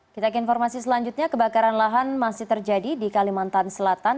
kita ke informasi selanjutnya kebakaran lahan masih terjadi di kalimantan selatan